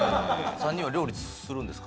３人は料理するんですか？